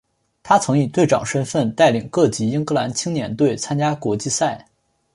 他曾以队长身份带领各级英格兰青年队参加国际赛。